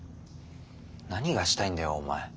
何がしたいんだよお前。